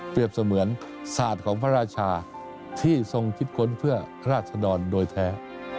เสมือนศาสตร์ของพระราชาที่ทรงคิดค้นเพื่อราชดรโดยแท้